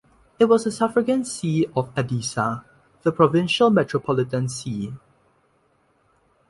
It was a suffragan see of Edessa, the provincial metropolitan see.